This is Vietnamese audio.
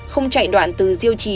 không chạy đoạn từ diêu trì